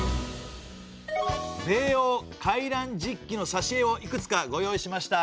「米欧回覧実記」のさしえをいくつかご用意しました。